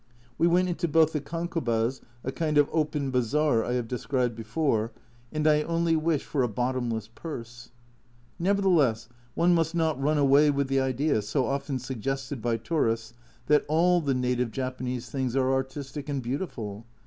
We went into both the kankobas (a kind of open bazaar I have described before), and I only wished for a bottomless purse. Nevertheless one must not run away with the idea, so often suggested by tourists, that all the native Japanese things are artistic and beautiful.